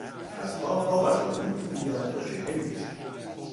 اسبها پا بر زمین میکوبیدند و شیهه میکشیدند.